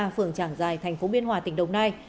phường trảng giài thành phố biên hòa tỉnh đồng nai